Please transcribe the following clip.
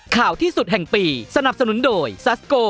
ข่าวที่สุดแห่งปีสนับสนุนโดยซัสโก